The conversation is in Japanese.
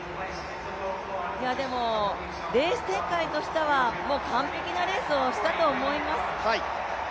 でもレース展開としてはもう完璧なレースをしたと思います。